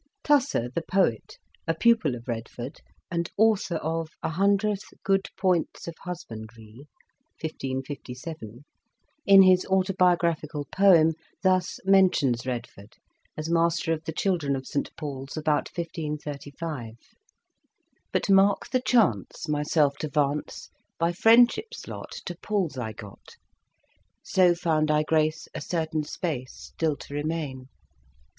Tusser, the poet, a pupil of Redford and author of "A hundreth good pointes of Husbandrie," 1557, in his autobio graphical poem, thus mentions Redford as master of the children of St Paul's about 1535 : 11 But mark the chance, myself to 'vance, By friendship's lot to Paules I got, So found I grace a certain space Still to remain, 3 Introduction.